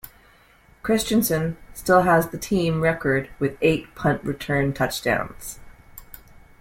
Christiansen still has the team record with eight punt return touchdowns.